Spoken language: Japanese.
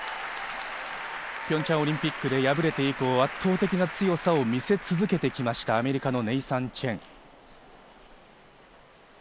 ピョンチャンオリンピックで敗れて以降、圧倒的な強さを見せ続けてきました、アメリカのネイサン・チェン。